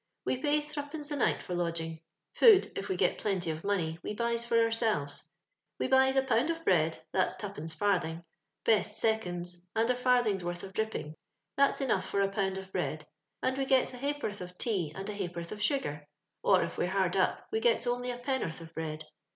We pays threepence a nlght for lodging. Pood, if we get plenty of money, we buys for cursives. We buys a pound of bread, that's two. pence £Eurthing — best seconds, and a farthing's worth of dripping — that's enough for a pound of broadband we gets a ha'porth of tea and a ha'porth of sugar ; or if we're hard up, we gets only a penn'orth of bread.